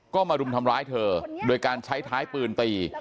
ก็มารุมทำร้ายเธอโดยการใช้ท้ายปืนตี